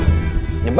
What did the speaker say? aku yang move in semua